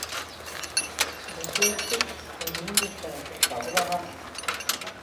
Беҙ ҙә үптек, ә һинең йәштәрең туҡтауһыҙ аға.